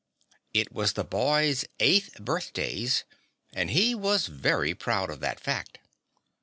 It was the boy's eighth birthdays, and he was very proud of that fact.